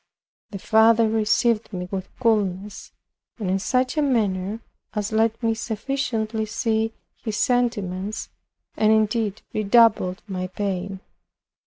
The father received me with coolness, and in such a manner as let me sufficiently see his sentiments, and indeed redoubled my pain.